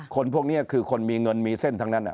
คนพวกนี้คือคนมีเงินมีเส้นทั้งนั้น